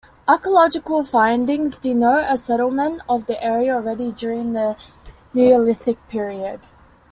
Archaeological findings denote a settlement of the area already during the Neolithic period.